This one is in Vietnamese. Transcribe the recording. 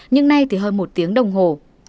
nhưng nay thì hơn một tiếng đồng hồ